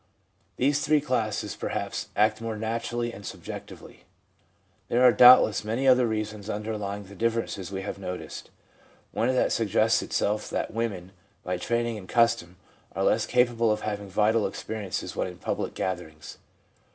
These three classes perhaps act more naturally and subjectively. There are doubtless many other reasons underlying the differences we have noticed. One that suggests itself is that women, by training and custom, are less capable of having vital experiences when in public gatherings.